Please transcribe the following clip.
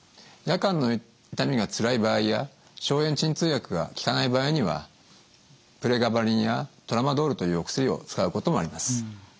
夜間の痛みがつらい場合や消炎鎮痛薬が効かない場合にはプレガバリンやトラマドールというお薬を使うこともあります。